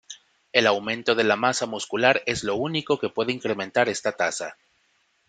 El aumento de la masa muscular es lo único que puede incrementar esta tasa.